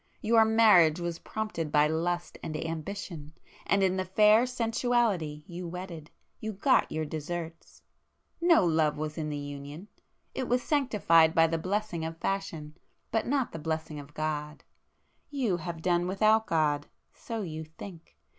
Your marriage was prompted by Lust and Ambition, and in the fair Sensuality you wedded, you got your deserts! No love was in the union,—it was sanctified by the blessing of Fashion, but not the blessing of God. You have done without God; so you think!